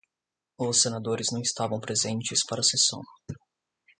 Os senadores não estavam presentes para a sessão.